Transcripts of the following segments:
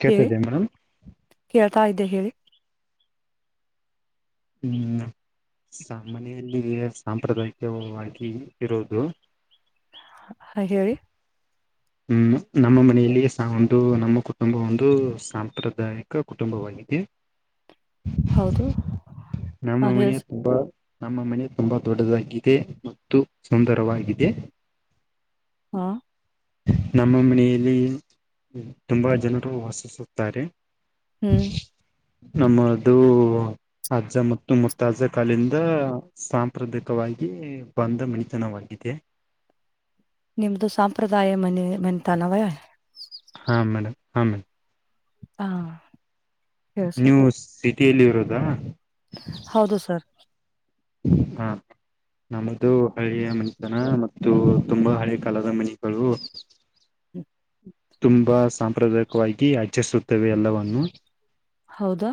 ಕೆತ ದ ಮಡಾಮ ತಾ ಇದ್ದೆ ಹೇಳಿ ಹ್ಮ್ ಸ ಮನೆಯಲ್ಲಿ ಸಾಂಪ್ರದಾಯಿಕವಾಗಿ ಇರುದು ಹಾ ಹೇಳಿ ಹ್ಮ್ ನಮ್ಮ ಮನೆಯಲ್ಲಿ ಸ ಒಂದು ನಮ್ಮ ಕುಟುಂಬ ಒಂದು ಸಾಂಪ್ರದಾಯಿಕ ಕುಟುಂಬವಾಗಿದೆ ಹೌದು ನಮ್ಮ ಹಾ ಹೇಳಿ ಮನಿಯ ಸರ್ ತುಂಬ ನಮ್ಮ ಮನೆ ತುಂಬಾ ದೊಡ್ಡದಾಗಿದೆ ಮತ್ತು ಸುಂದರವಾಗಿದೆ ಹಾ ನಮ್ಮ ಮನೆಯಲ್ಲಿ ತುಂಬಾ ಜನರು ವಾಸಿಸುತ್ತಾರೆ ಹ್ಮ್ ನಮ್ಮದು ಅಜ್ಜ ಮತ್ತು ಮುತ್ತಾಜ್ಜ ಕಾಲಿಂದ ಸಾಂಪ್ರದಾಯಿಕವಾಗಿ ಬಂದ ಮಣಿತನವಾಗಿದೆ ನಿಮ್ದು ಸಾಂಪ್ರದಾಯ ಮನೆ ಮತಾನವ ಹಾ ಮೇಡಮ್ ಹಾ ಮೇಡಮ್ ಹಾ ಹೇಳಿ ಸರ್ ನ್ಯೂಸ್ ಸಿ ಲ್ಲಿ ಇರೋದಾ ಹೌದು ಸರ್ ಹಾ ನಮ್ಮದು ಹಳೆಯ ಮನೆತನ ಮತ್ತು ತುಂಬಾ ಹಳೆ ಕಾಲದ ಮನಿಗಳು ಹ್ಮ್. ತುಂಬಾ ಸಾಂಪ್ರದಾಯಿಕವಾಗಿ ಆಚರಿಸುತ್ತವೆ ಎಲ್ಲವನ್ನು ಹೌದಾ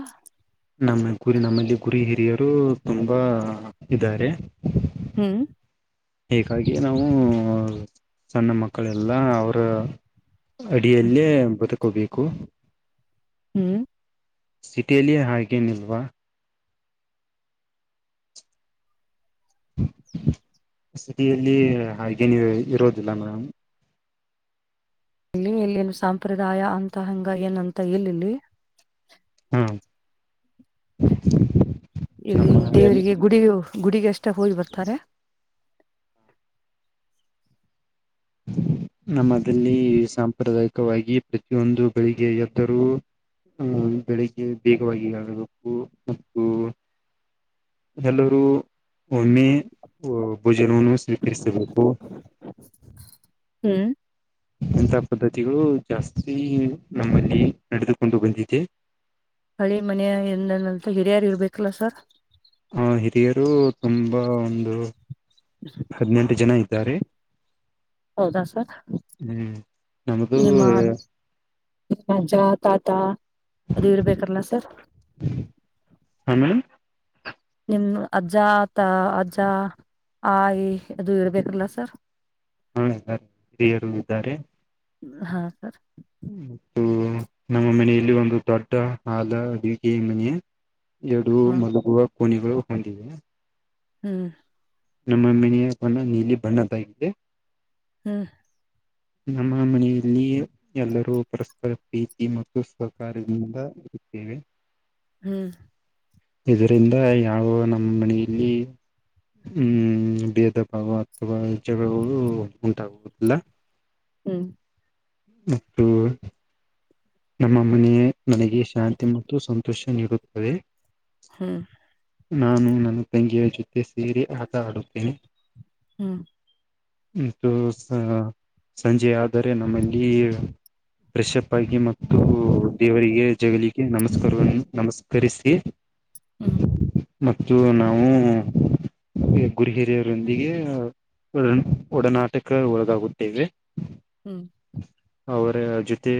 ನಮ್ಮ ಗುರಿ ನಮ್ಮಲ್ಲಿ ಗುರಿ ಹಿರಿಯರು ತುಂಬಾ ಇದಾರೆ ಹ್ಮ್ ಹೀಗಾಗಿ ನಾವು ಸಣ್ಣ ಮಕ್ಕಳೆಲ್ಲ ಅವರ ಅಡಿಯಲ್ಲೇ ಬದುಕೋಬೇಕು ಹ್ಮ್ ಸಿಟಿಯಲಿಯ ಹಾಗೆ ನಿಲ್ಲುವ ಸಿಟಿಯಲ್ಲಿ ಹಾಗೇನು ಇರೋದಿಲ್ಲ ಮೇಡ್ ಇಲ್ಲಿ ಎಲ್ಲಿೇನು ಸಾಂಪ್ರದಾಯ ಅಂತಹಂಗ ಏನು ಅಂತ ಎಲ್ಲಿಲ್ಲಿ ಹಾ ಇಲ್ಲಿ ನಮ್ಮ ದೇವರಿಗೆ ಗುಡು ಗುಡಿಿಗೆ ಎಷ್ಟ ಹೋಜ ಬರ್ತಾರೆ ನಮ್ಮಲ್ಲಿ ಸಾಂಪ್ರದಾಯಿಕವಾಗಿ ಪ್ರತಿಯೊಂದು ಬೆಳಿಗ್ಗೆ ಎದ್ದರೂ ಅಹ ಬೆಳಿಗ್ಗೆ ಬೇಗವಾಗಿ ಆಗಬೇಕು ಮತ್ತು ಎಲ್ಲರು ಒಮ್ಮಿ ಜನೂನು ಸ್ವೀಕರಿಸು ಹ್ಮ್ ಇಂಥ ಪದ್ಧತಿಗಳು ಜಾಸ್ತಿ ನಮ್ಮಲ್ಲಿ ನಡೆದುಕೊಂಡು ಬಂದಿದೆ ಹಳಿ ಮನೆಯ ಎಂದನಂತ ಹಿರಿಯಾರ್ ಇರ್ಬೇಕಲ್ಲ ಸರ್ ಆ ಹಿರಿಯರು ತುಂಬಾ ಒಂದು ಹದಿನೆಂಟು ಜನ ಆಯ್ತು ಇದ್ದಾರೆ ಹೌದಾ ಸರ್ ಹ್ಮ್ ನಮದು ರಾಜಾ ತಾತಾ ಅದು ಇವ್ರು ಬೇಕಾರಲ್ಲ ಸರ್ ಆಮೇಲೆ ನಿಮ್ ಅಜ್ಜ ಆತ ಅಜ್ಜ ಆಯಿ ಅದು ಇರ್ಬೇಕಿಲ್ಲ ಸರ್ ಹಾ ಹಿರಿಯರು ಇದ್ದಾರೆ ಹಾ ಸರ್ ಮತ್ತು ನಮ್ಮ ಮನೆಯಲ್ಲಿ ಒಂದು ದೊಡ್ಡ ಹಾಲ ಅಡುಿಕಿ ಮನೆ ಎಡು ಹಾ ಮಲಗುವ ಕೋನಗಳು ಹೊಂದ ಹ್ಮ್ ನಮ್ಮ ಮನಿಯಣ ನೀಲಿ ಬಣ್ಣದಾಗಿದೆ ಹ್ಮ ನಮ್ಮ ಮನೆಯಲ್ಲಿ ಎಲ್ಲರೂ ಪರಸ್ಪರ ಪ್ರೀತಿ ಮತ್ತು ಸಹಕಾರದಿಂದ ಇರುತ್ತೇವೆ ೀಳ್ ಇದರಿಂದ ಯಾವ ನಮ್ಮ ಮನೆಯಲ್ಲಿ ಹ್ಮ್ ಭೇದ ಭಾವ ಅಥವಾಜಾಗವು ಉಂಟಾಗುವುದಿಲ್ಲ ಹ್ಮ್ ಮತ್ತು ನಮ್ಮ ಮನೆಯ ನನಗೆ ಶಾಂತಿ ಮತ್ತು ಸಂತೋಷ ನೀಡುತ್ತದೆ ಹ್ಮ್ ನಾನು ನನ್ನ ತಂಗೆಯ ಜೊತೆ ಸೇರಿ ಆಟ ಆಡುತ್ತೇನೆ ಹ್ಮ್ ಸಂಜೆ ಆದರೆ ನಮ್ಮಲ್ಲಿ ಪ್ರ್ರೆಶ್ಪ್ ಆಗಿ ಮೆ ಇದು ದೇವರಿಗೆ ಜಗಳ ನಮಸ್ಕಾರ ನಮಸ್ಕರಿಸಿ ಹ್ಮ್ ಮತ್ತು ನಾವು ಗುರಿ ಹಿರಿಯರೊಂದಿಗೆ ಒ ಒಡನಾಟಕ ಒಳಗಾಗುತ್ತೇವೆ ಹ್ಮ್ ಅವರ ಜೊತೆ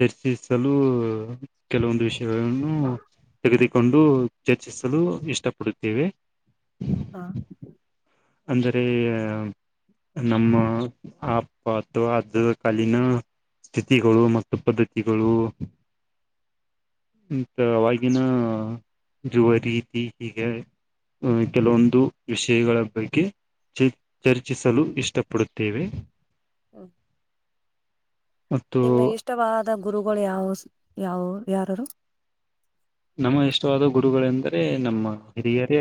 ಚರ್ಚಿಸಲು ಕೆಲವೊಂದು ವಿಷಯಗಳನ್ನು ತೆಗೆದುಕೊಂಡು ಹೆಚ್ಚಿಸಲು ಇಷ್ಟಪಡುತ್ತೇವೆ ಹಾ ಅಂದರೆ ನಮ್ಮ ಆ ಅಥವಾ ಅ್ದ ಕಾಲೀನ ಸ್ಥಿತಿಗಳು ಮತ್ತು ಪದ್ಧತಿಗಳು ಆವಾಗಿನ ಯುವ ರೀತಿ ಹೀಗೆ ಕೆಲವೊಂದು ವಿಷಯಗಳ ಬಗ್ಗೆ ಗೆ ಚ ಚರ್ಚಿಸಲು ಇಷ್ಟಪಡುತ್ತೇವೆ ಹ್ಮ್ ಮತ್ತು ನಿಮ್ಮ ಇಷ್ಟವಾದ ಅ ಗುರುಗಳು ಯಾವ ಯಾವ ಯಾರಾರು ನಮ್ಮ ಇಷ್ಟವಾದ ಗುರುಗಳೆಂದು ಅರೆ ನಮ್ಮ ಹಿರಿಯರೇ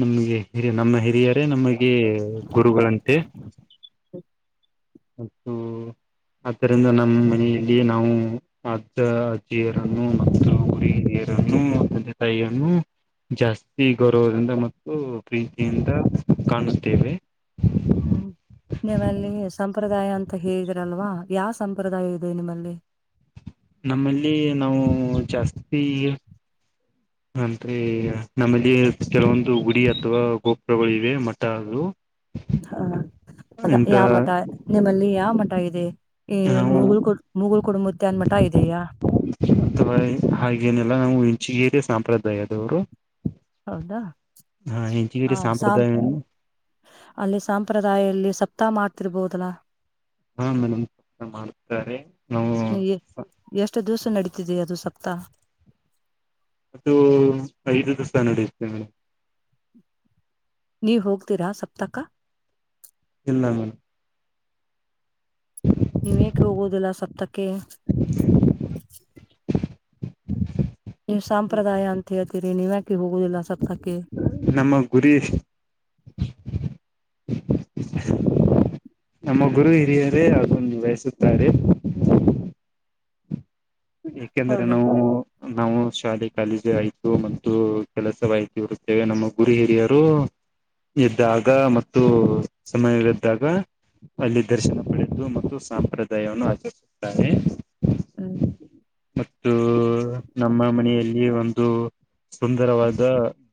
ನಮ್ಗೆ ಹಿರಿಯ ನಮ್ಮ ಹಿರಿಯರೇ ನಮಗೆ ಗುರುಗಳಂತೆ ಹ ಮತ್ತು ಆದ್ದರಿಂದ ನಮ್ಮ ಮನೆಯಲ್ಲಿಯ ನಾವು ಅಜ ಅಜ್ಜಿಯರನ್ನು ಮತ್ತು ಹುರಿಗಿನಿಯರನ್ನುೆ ತಾಯಿಯನ್ನು ಜಾಸ್ತಿ ಗೌರವದಿಂದ ಮತ್ತು ಪ್ರೀತಿಯಿಂದ ಕಾಣುತ್ತೇವೆ ಹ್ಮ್ ನಿಮ್ಮಲ್ಲಿ ಸಂಪ್ರದಾಯ ಅಂತ ಹೇಳಿದಿರಲ್ವಾ ಯಾವ ಸಂಪ್ರದಾಯ ಇದೆ ನಿಮ್ಮಲ್ಲಿ ನಮ್ಮಲ್ಲಿ ನಾವು ಜಾಸ್ತಿ ಅಂದ್ರೆ ನಮ್ಮಲ್ಲಿ ಕೆಲವೊಂದು ಗುಡಿ ಅಥವಾ ಗೋಪುರಗಳು ಇವೆ ಮಠ ಅದು ಹಾ ಅದ ಇಂತ ಯಾವ ಮಠ ನಿಮ್ಮಲ್ಲಿ ನಾವ ಮಟಾಗಿದೆ ಈ ನಾವು ಮುಘಲ್ ಕೊ ಮುಘುಲ್ ಕುಡಂಬದ್ದೆ ಅನ್ಮಟ ಇದೀಯಾ ೇ ಸಾಂಪ್ರದಾಯದವರು ಹೌದಾ ಇಂಚಗೇರಿ ಆ ಸಾಂಪ್ರ ಸಂಪ್ರದಾಯವನ್ನು ಅಲ್ಲಿ ಸಂಪ್ರದಾಯದಲ್ಲಿ ಸ ಅತಾ ಮಾಡ್ತಿರ್ಬೋದಲ್ಲಾ ಹಾ ಮೇಡಮ್ ಮಾಡ್ತಾರೆ ನಾವು ನೀ ಕುತ್ತ ಅದು ಐದು ದಿವಸ ನಡೆಯುತ್ತೆ ಮೇಡಮ್ ನೀವ ಹೋಗ್ತೀರಾ ಸಪ್ತಕ ಇಲ್ಲ ಮೇ ನೀವೇಕೆ ಹೋಗೋುದಿಲ್ಲ ಸತ್ತಕ್ಕೆ [inaudible] ನೀವು ಸಾಂಪ್ರದಾಯ ಅಂತ ಹೇಳಿ ನೀಿ ಮಾಡ ನಮ್ಮ ಗುರಿ ನಮ್ಮ ಗುರು ಹಿರಿಯರೇ ಅದೊಂದು ಬಯಸುತ್ತಾರೆ ಏಕೆಂದ್ರೆ ಹೌದ ನಾವು ನಾವು ಶಾಲೆಗೆ ಕಾಲೇಜಿ ಆಾಯ್ತು ಮತ್ತು ಕೆಲಸವಾಯಿತು ಇರುತ್ತೇವೆ ನಮ್ಮ ಗುರಿ ಹಿರಿಯರು ಎ್ದಾಗ ಮತ್ತು ಸಮಯದ್ದಾಗ ಅಲ್ಲಿ ದರ್ಶನ ಪಡೆದುು ಮತ್ತು ಸಂಪ್ರದಾಯವನ್ನು ಆಚರಿಸುತ್ತಾನೆ ಹ್ಮ್ ಮತ್ತು ನಮ್ಮ ಮನೆಯಲ್ಲಿ ಒಂದು ಸುಂದರವಾದ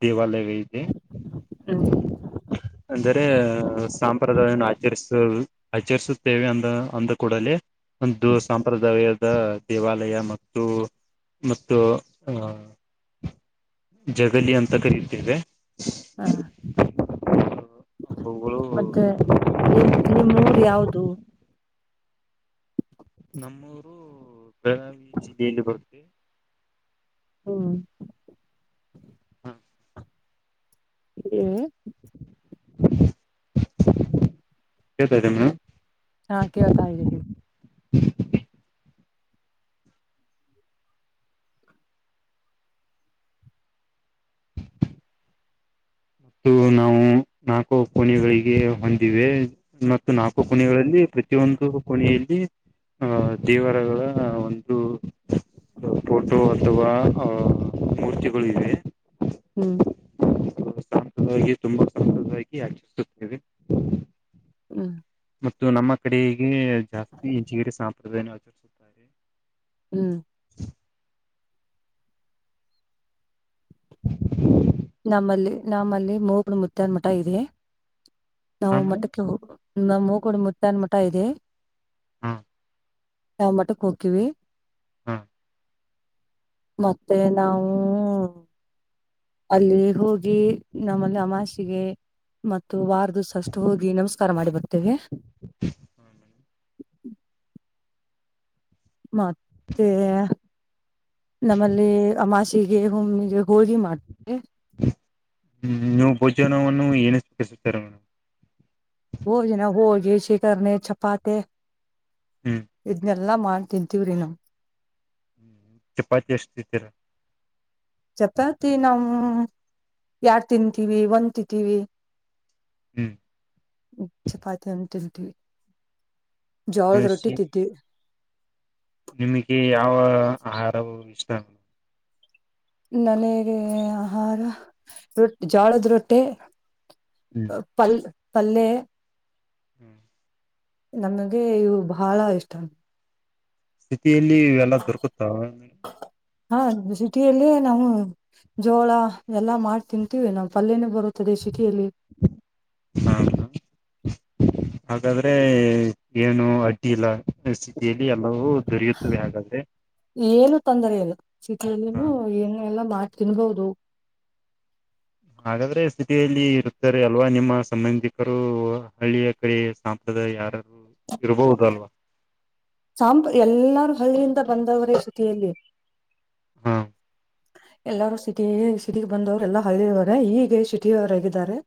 ದೇವಾಲಯ ಇದೆ ಹ್ಮ್ ಅಂದರೆ ಸಂಪ್ರದಾಯವನ್ನು ಆಚರಿಸುವುದು ಆಚರಿಸುತ್ತೇವೆ ಅಂದ ಅಂದ ಕೂಡಲೇ ಒಂದು ಸಂಂಪ್ರದಾಯ ಹಾ ದೇವಾಲಯ ಮತ್ತು ಮತ್ತು ಅಹ್ ಜಗಲಿ ಅಂತ ಕರೆಯುತ್ತೇವೆ ಹಾ ಅವುಗಳು ಮತ್ತೆ ನಿ ನಿಮ್ಮ್ ರ್ ಯಾವ್ದ ನಮ್ಮೂರು ಬೆಳಗಾವಿ ಜಿಲ್ಲೆಯಲ್ಲಿ ಬರುತ್ತದೆ ಹ್ಮ ಹ ಇ ಹ ಕೆತ ತಮನ ಹಾಕವತಾಯ ರ ಮತ್ತು ನಾವು ನಾಲ್ಕು ಕೋಣೆಗಳಿಗೆ ಹೊಂದಿವೆ ಮ ಇ ನಾಲ್ಕು ಕೊನೆೆಗಳಲ್ಲಿ ಪ್ರತಿಯೊಂದು ಕೊನೆಯಲ್ಲಿ ಅಹ್ ದೇವರಗಳ ಒಂದು ಫೋಟೋ ಅಥವಾ ಆಹ್ ಮೂರ್ತಿಗಳು ಇವೆ ಹ್ಮ್ ತುಂಬಾ ಸುಂದವಾಗಿ ಆಚರಿಸುತ್ತೇವೆ ಹ್ಮ್ ಮತ್ತು ನಮ್ಮ ಕಡೆಗೆ ಜಾಸ್ತಿ ಇಂಚಗಿರಿ ಸಾಪ್ರದಾಯ ಆಚರಿಸುತ್ತಾರೆ ಹ್ಮ್ ನಮ್ಮಲ್ಲಿ ನಮ್ಮಲ್ಲಿ ಮೂಬಳ ಮುದ್ದನ್ಮಟ ಇದೆ ಹಾ ನಾವು ಮೇಡಮ್ ಮಠಕ್ಕೆ ಹೋಗುವ ನ್ ಮೂ ಕೂಡ ಮುುತ್ತನ್ ಮಠ ಇದೆ ಹಾ ಹ ಮಟಕ್ ಹಕೀವಿ ಹಾ ಮತ್ತೆ ನಾವವು ಅಲ್ಲಿ ಹೋಗಿ ನಮ್ಮಲ್ಲಿ ಅಮಾಷಿಗೆ ಮ ವಾರದುು ಸಷ್ಟು ಹೋಗಿ ನಮಸ್ ಮಾಡಿ ಬರ್ತೇವಿ ಮತ್ತೆ ನಮ್ಮಲ್ಲಿ ಅಮಾಷ ಿಗೆ ಒಮ್ಮಿಗೆ ಹೋಳಿ ಮಾಡ್ತೆ ಹ್ಮ್ ನೀವು ಭೋಜನವನ್ನು ಏನತಾರೆೇ್ ಹ ಜನ ಹೋಗ ಶಕ ಛಪ್ಪಾತೆ ಹ್ಮ್ ಇಜ್ನ ನಲ್ಲ ಮಾಡ ತಿಂತೀ್ರಿನ ಚಪಾತಿ ಎಷ್ಟ್ದೀರ ಚಪಾತಿ ನಾವ್ ಯಾರ್ ತಿಂತೀವಿ ಒಂದ್ ತಿಂತೀವಿ ಹ್ಮ್ ಚೆಪಾತ ತಿ [inaudible] ಜೋಳದ ರೊಟ್ಟಿ ಶಿ ತಿದ್ದಿ ನಿಮಗೆ ಯಾವ ಆಹಾರವು ಇಷ್ಟ ನನೆಗೆ ಆಹಾರ ರೊ ಜಾಳದ್ ರೊಟ್ಟೆ ಹ್ಮ್ ಪಲ್ ಪಲ್ಲೆ ಹ್ಮ್ ನಮಗೆ ಇವು ಬಹಳ ಇಷ್ಟ ಲ್ಲಿ ಎಲ್ಲ ದೊರಕುತ್ತಾವ ಹಾ ಸಿಟಿಯಲ್ಲಿ ನಾವು ಜೋಳ ಎಲ್ಲ ಮಾಡಿ ತಿಂತೀವಿ ನಾ್ ಪಲ್ಯನ ಬರೋ ಥ ದೇಶಕ್ಕೆ ಎಲ್ಲಿ ಹಾ ಹಾಗಾದ್ರೆ ಏನು ಅಡ್ಡಿ ಇಲ್ಲ ಲಿ ಎಲ್ಲವೂ ದೊರೆಯುತ್ತದೆ ಹಾಗಾದ್ರೆ ಏನು ತೊಂದರೆ ಲ್ಲ ಚಟಿಯಲ್ಲಿ ಹ ಏನ್ ಎಲ್ಲಾ ಮಾಡ ತಿನ್ಬಹದು ಹಾಗಾದ್ರೆ ಸ್ಥಿತಿಯಲ್ಲಿ ಇರುತಾರೆ ಅಲ್ವಾ ನಿಮ್ಮ ಸಂಬಂಧಿಕರು ಹಳ್ಳಿಯ ಕಡೆ ಸಾಂಪ್ರದಾಯ ಯಾರಾರು ಇರ್ಬಹುದು ಅಲ್ವಾ ಸಾಂಪ ಎಲ್ಲರೂ ಹಳ್ಳಿಯಿಂದ ಬಂದವರೇ ಸಿತಿಯಲ್ಲಿ ಹಾ ಎಲ್ಲಾರೂ ಸಿಟಿ ಸಿಟಿ ಬಂದವರು ಎಲ್ಲಾ ಹಿದ್ದಾರೆ ಹೀಗೆ ಸಿಟಿವರಾಗಿದ್ದಾರೆ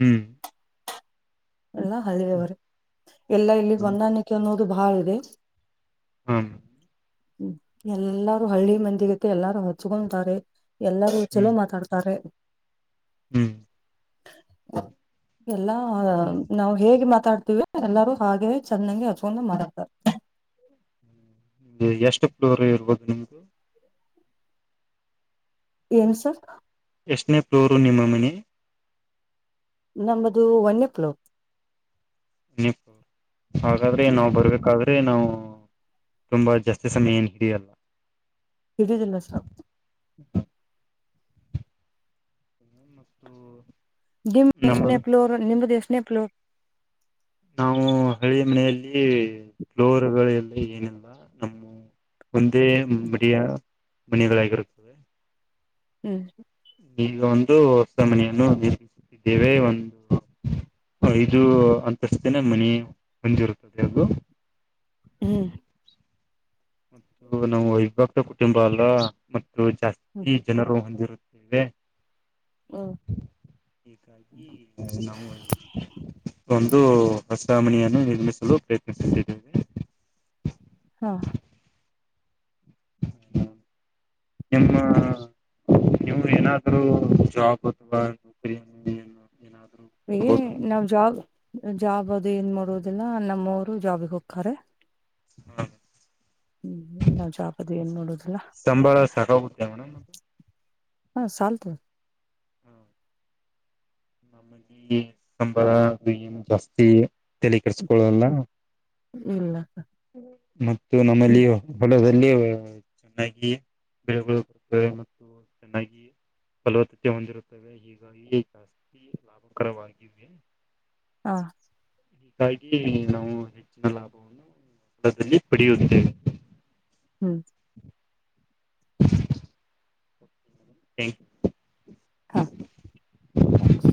ಹ್ಮ್ ಎಲ್ಲ ಹದವರ ಎಲ್ಲಾ ಇಲ್ಲಿ ಗಂದಾಣಿಕ ಒಂದು ಭಳ ರ ಹ್ಮ ಹ್ಮ್ ಎಲ್ಲಾರು ಹಳ್ಳಿ ಮಂದಿಗತ್ತ ಎಲ್ಲಾರು ಹಚ್ಕೊಂತಾರೆ ಎಲ್ಲರೂ ಚಲೋ ಹ್ಮ್ ಮಾತಾಡ್ತಾರೆ ಹ್ಮ್ ಎಲ್ಲಾ ಹೇಗೆ ಮಾತಾಡ್ತಿೀವಿ ಎಲ್ಲರೂ ಹಾಗೆ ಚೆನ್ನಂಗಗೆ ಹಚ್ಕೊಂಡ ಮಾತಾಡ್ತಾರೆ ನಿಮ್ಗೆ ಎಷ್ಟು ಪ್ಲೋರ್ ಇರ್ಬೋದು ನಿಮ್ದ ಏನು ಸರ್ ಎಷ್ಟನೇ ಫ್ಲೋರು ನಿಮ್ಮ ಮಣಿ ನಮ್ಮದು ವನ್ಯಪುಲ ಹಾಗಾದ್ರೆ ನಾವು ಬರ್ಬೇಕಾದ್ರೆ ನಾವು ತುಂಬಾ ಜಾಸ್ತಿ ಸಮಯ ಏನ್ ಹಿಡಿಯಲ್ಲ ಟ ತನ್ನ ಸ ಮತ್ತು ನಿಮ್ ನಮ್ಮ ಎಷ್ಟನೇ ಪ್ಲೋರ್ ನಿಮ್ದ ಎಷ್ಟ ನೆಪ್ಲೋ ನಾವು ಹಳಿ ಮನೆಯಲ್ಲಿ ಫ್ಲೋರ್ಗಳೆಲ್ಲ ಏನಿಲ್ಲ ನಮ್ಮ ಮುಂದೆ ಮಡಿಯ ಬಣಿಗಳಾಗಿರುತ್ತದೆ ಹ್ಮ್ ಈಗ ಒಂದು ಹೊಸ ಮನೆಯನ್ನು ನಿರ್ಮಿಸುತ್ತಿದ್ದೇವೆ ಒಂದು ಐದು ಅಂತಸ್್ದೇನೆ ಮನೆ ಹೊಂದಿರುತ್ತದೆ ಅದು ಹ್ಮ ಮತ್ತು ನಮ್ಮ್ ವೈಭಕ್ತ ಕುಟುಂಬ ಅಲ್ಲ ಹಾ ಮ ಜಾಸ್ತಿ ಜನರು ಹೊಂದಿರುತ್ತೆ ಹ್ಮ್ ಇ ಈ ನವು ಒಂದು ಹೊಸಾಮಣಿಯನ್ನು ನಿರ್ಮಿಸಲು ಪ್ರಯತ್ನಿಸುತ್ತಿದ್ದೇವೆ ಹಾ ಹ್ಮ ನಿಮ್ಮ ನೀವು ಏನಾದ್ರೂ ಜಾಬ್ ಅಥವಾ ನೌಕರಿ ಏನಾದರು ನಾವ್ ಜಾಬ್ ಜಾಬ್ ಅದು ಏನ್ ಬರುದಿಲ್ಲ ನಮ್ಮವರು ಜಾಬಿಗೆ ಹೋಗ್ತಾರೆ ಹ್ಮ ಹ್ಮ್ ನಾವ್ ಜಾಬ್ ಅದು ಏನ್ ಮಾಡೋದಿಲ್ಲ ಸಂಭಾಳ ಸಾಖಾ ಉ ಹಾ ಚಲ್ತು ನಮಗೆ ಸಾಂಬಾರ ಬನ್ ಜಾಸ್ತಿ ತಲಕರ್ಸ್ಕೊಳ್ಳಲ್ಲ ಇಲ್ಲ ಹ ಮತ್ತು ನಮ್ಮಲ್ಲಿ ಹ್ಮ್ ಹೊಲ ಇಲ್ಲಿ ಚೆನ್ನಾಗಿ ಬೆಳೆ ಬರುತ್ತವೆ ಮತ್ತು ಚೆನ್ನಾಗಿ ಫಲವತ್ತತೆ ಹೊಂದಿರುತ್ತವೆ ಹೀಗಾಗಿ ಲಾಭಕರವಿದೆ ಹಾ ಹೀಗಾಗಿ ನಾವು ಹೆಚ್ಚಿನ ಲಾಭವನ್ನು ಸ್ಳದಲ್ಲಿ ಪಡೆಯುತ್ತೇವೆ ಹ್ಮ್ ತ್ಯಾಂಕ್ ಯು ಹಾ ಕ್ಸ್